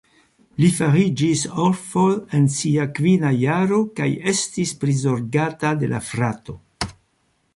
Li fariĝis orfo en sia kvina jaro kaj estis prizorgata de la frato.